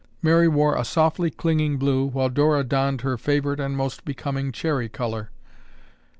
Mary wore a softly clinging blue while Dora donned her favorite and most becoming cherry color.